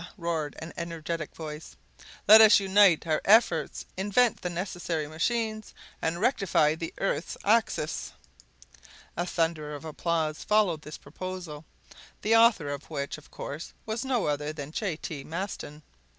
roared an energetic voice, "let us unite our efforts, invent the necessary machines, and rectify the earth's axis!" A thunder of applause followed this proposal, the author of which was, of course, no other than J. T. Maston.